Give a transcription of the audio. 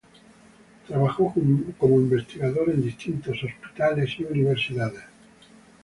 Trabajó, como investigador, en distintos hospitales y universidades.